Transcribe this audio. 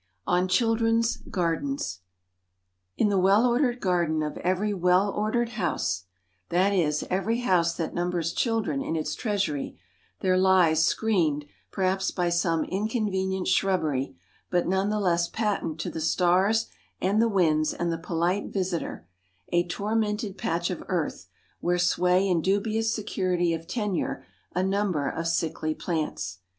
ON CHILDREN'S GARDENS IN the well ordered garden of every well ordered house that is, every house that numbers children in its treasury there lies, screened perhaps by some inconvenient shrubbery but none the less patent to the stars and the winds and the polite visitor, a tormented patch of earth where sway in dubious security of tenure a number of sickly plants.